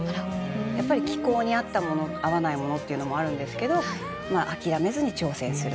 やっぱり気候に合ったもの合わないものっていうのもあるんですけど諦めずに挑戦する。